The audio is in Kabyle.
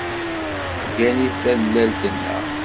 Tettgani tallalt-nneɣ.